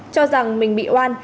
cho rằng mình bị oan